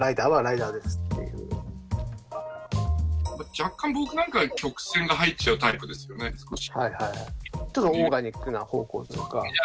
若干僕なんかは曲線が入っちゃうタイプですよね少し。